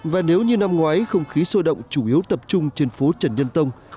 và nếu như năm ngoái không khí sôi động chủ yếu tập trung trên phố trần nhân tông